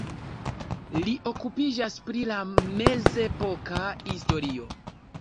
Li okupiĝas pri la mezepoka historio.